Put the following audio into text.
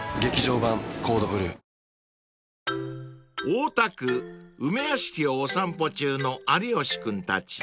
［大田区梅屋敷をお散歩中の有吉君たち］